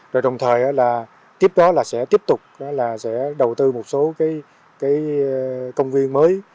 rồi đồng thời là tiếp đó là sẽ tiếp tục là sẽ đầu tư một số cái công viên mới